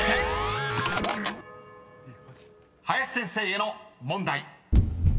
［林先生への問題］